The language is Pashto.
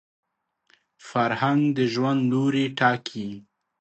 فرهنګ د ژوند لوري ټاکي